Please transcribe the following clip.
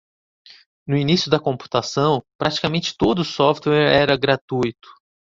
No início da computação, praticamente todo o software era gratuito.